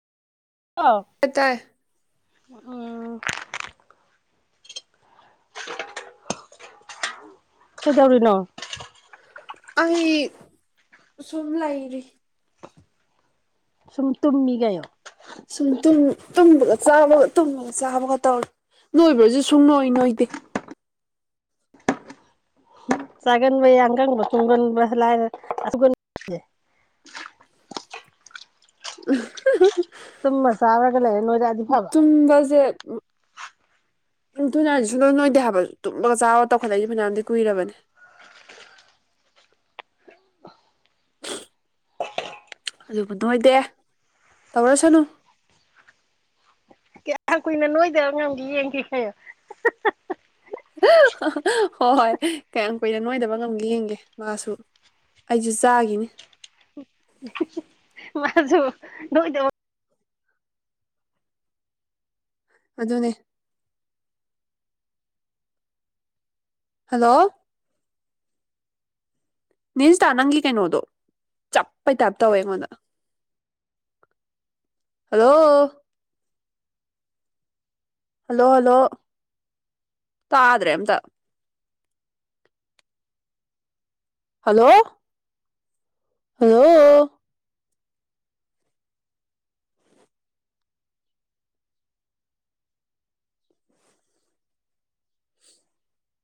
ꯑꯧ ꯀꯗꯥꯏ ꯑꯥ ꯀꯗꯧꯔꯤꯅꯣ ꯑꯩ ꯁꯨꯝ ꯂꯩꯔꯤ ꯁꯨꯝ ꯇꯨꯝꯃꯤ ꯒꯥꯌꯣ ꯁꯨꯝ ꯇꯨꯝ ꯇꯨꯝꯕꯒ ꯆꯥꯕꯒ ꯇꯨꯝꯕꯒ ꯆꯥꯕꯒ ꯇꯧꯔꯦ ꯅꯣꯏꯕ꯭ꯔꯁꯨ ꯁꯨꯡ ꯅꯣꯏ ꯅꯣꯏꯗꯦ ꯆꯥꯒꯟꯕ ꯌꯥ ꯑꯪꯒꯥꯡꯕ ꯇꯨꯝꯒꯟꯕ ꯂꯥꯏꯔ ꯁꯨꯡꯒꯟꯕ ꯎ ꯇꯨꯃ ꯆꯥꯔꯒ ꯂꯩꯔ ꯅꯣꯏꯔꯛꯑꯗꯤ ꯐꯥꯕ ꯇꯨꯝꯕꯖꯦ ꯊꯨꯅ ꯍꯥꯏꯔꯗꯤ ꯁꯨꯛ ꯅꯣꯏꯗꯦ ꯍꯥꯏꯕ ꯇꯨꯝꯕꯒ ꯆꯥꯎꯕꯒ ꯇꯧꯈꯠꯂꯛꯏꯁꯦ ꯐꯅꯌꯥꯝꯗꯤ ꯀꯨꯏꯔꯕꯅꯦ ꯑꯗꯨꯕꯨ ꯅꯣꯏꯗꯦ ꯇꯧꯔꯁꯅꯨ ꯀꯌꯥꯝ ꯀꯨꯏꯅ ꯅꯣꯏꯗꯕ ꯉꯝꯒꯦ ꯌꯦꯡꯒꯦ ꯍꯥꯏꯌꯣ ꯍꯣꯏ ꯍꯣꯏ ꯀꯌꯥꯝ ꯀꯨꯏꯅ ꯅꯣꯏꯗꯕ ꯉꯝꯒꯦ ꯌꯦꯡꯒꯦ ꯃꯥꯁꯨ ꯑꯩꯁꯨ ꯆꯥꯒꯤꯅꯤ [inaudible] ꯃꯥꯁꯨ ꯅꯣꯏꯗꯕ ꯑꯗꯨꯅꯦ ꯍꯜꯂꯣ ꯅꯦꯖꯤꯟꯇꯥ ꯅꯪꯒꯤ ꯀꯩꯅꯣꯗꯣ ꯆꯞꯄꯩ ꯇꯥꯏꯞ ꯇꯧꯋꯦ ꯑꯩꯉꯣꯟꯗ ꯍꯜꯂꯣ ꯍꯜꯂꯣ ꯍꯜꯂꯣ ꯇꯥꯗ꯭ꯔꯦ ꯑꯝꯇ ꯍꯜꯂꯣ ꯍꯜꯂꯣ